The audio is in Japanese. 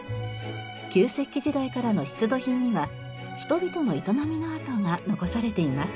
旧石器時代からの出土品には人々の営みの跡が残されています。